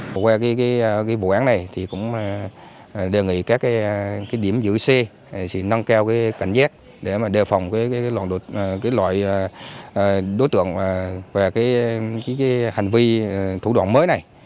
với vụ án này đề nghị các điểm giữ xe nâng cao cảnh giác để đề phòng loại đối tượng và hành vi thủ đoạn mới này